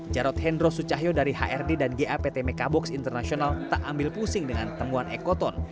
jarod hendro sucahyo dari hrd dan gapt mekabox internasional tak ambil pusing dengan temuan ekoton